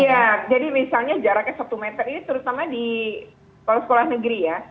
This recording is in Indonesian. jadi misalnya jaraknya satu meter ini terutama di sekolah sekolah negeri ya